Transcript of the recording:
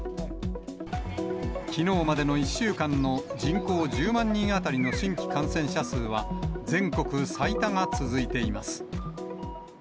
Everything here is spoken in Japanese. きのうまでの１週間の人口１０万人当たりの新規感染者数は、全国最多が続いています。